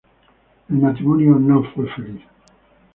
El matrimonio no fue feliz.